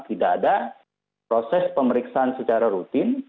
tidak ada proses pemeriksaan secara rutin